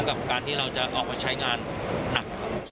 ด้วยกับการที่เราจะมาเอาใช้งานหนัก